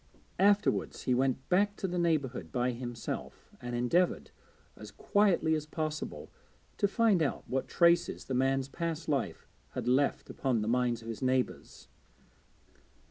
Afterwards he went back to the neighbourhood by himself, and endeavoured, as quietly as possible, to find out what traces the man's past life had left upon the minds of his neighbours.